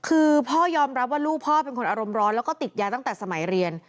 คือพ่อยอมรับว่าลูกพ่อเป็นคนอารมณ์ร้อนแล้วก็ติดยาตั้งแต่สมัยเรียน